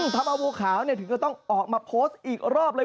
ทำเอาบัวขาวถึงก็ต้องออกมาโพสต์อีกรอบเลย